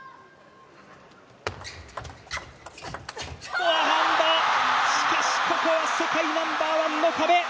フォアハンド、しかしここは世界ナンバーワンの壁。